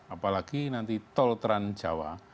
apalagi nanti tol trans jawa